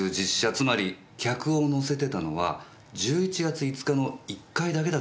つまり客を乗せてたのは１１月５日の１回だけだったんです。